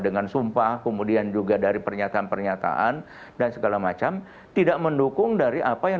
dengan sumpah kemudian juga dari pernyataan pernyataan dan segala macam tidak mendukung dari apa yang